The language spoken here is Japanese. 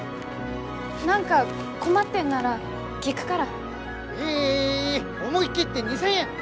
何か困ってんなら聞くから。え思い切って２，０００円！